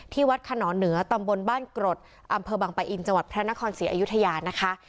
วัดขนอนเหนือตำบลบ้านกรดอำเภอบังปะอินจังหวัดพระนครศรีอยุธยานะคะ